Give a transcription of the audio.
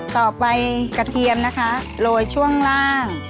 กระเทียมนะคะโรยช่วงล่าง